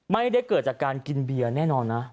ไม่ได้เกิดจากการกินเบียร์แน่นอนนะ